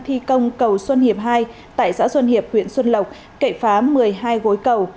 thi công cầu xuân hiệp hai tại xã xuân hiệp huyện xuân lộc cậy phá một mươi hai gối cầu